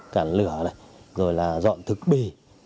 cản lửa này rồi là dọn thực bề